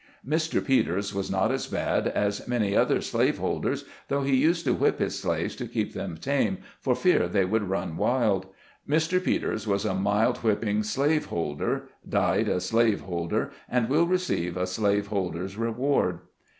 Mr. Peters was not as bad as many other slave holders, though he used to whip his slaves to keep them tame, for fear they would run wild. Mr. Peters was a mild whipping slave holder, died a slave holder, and will receive a slave holder's reward.